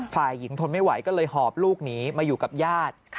ฝ่ายหญิงทนไม่ไหวก็เลยหอบลูกหนีมาอยู่กับญาติ